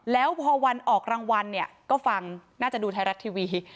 แล้วพอออกรางวัลก็ฟังน่าจะดูไทยรัฐทีวี